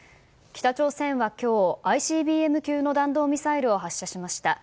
北朝鮮は今日ＩＣＢＭ級の弾道ミサイルを発射しました。